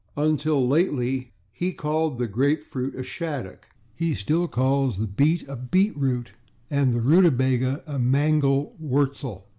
Until lately he called the /grapefruit/ a /shaddock/. He still calls the /beet/ a /beet root/ and the /rutabaga/ a /mangel wurzel